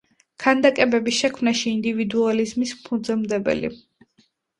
ქანდაკებების შექმნაში ინდივიდუალიზმის ფუძემდებელი.